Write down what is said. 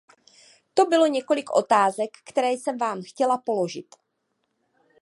To bylo několik otázek, které jsem vám chtěla položit.